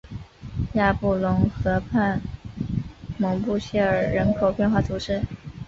雅布龙河畔蒙布谢尔人口变化图示